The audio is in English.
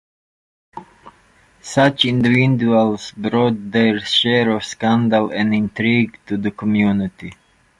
Such individuals brought their share of scandal and intrigue to the community.